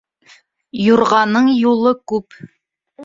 Юрғаның юлы күп.